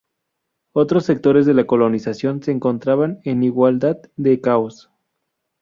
Otros sectores de la colonización se encontraban en igualdad de caos.